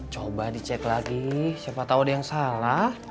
coba dicek lagi siapa tahu ada yang salah